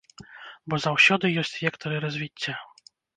Бо заўсёды ёсць вектары развіцця.